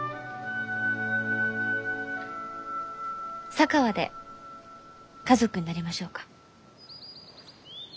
佐川で家族になりましょうか。